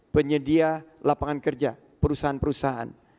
penyedia lapangan kerja perusahaan perusahaan